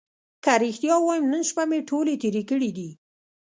که رښتیا ووایم نن شپه مې ټولې تېرې کړې دي.